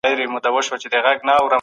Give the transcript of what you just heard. ایا دوی زراعتي محصولات پلوري؟